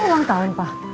gini lo ulang tahun pak